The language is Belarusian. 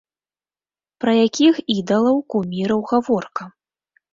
Пра якіх ідалаў, куміраў гаворка?